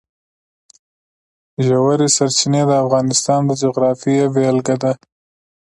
ژورې سرچینې د افغانستان د جغرافیې بېلګه ده.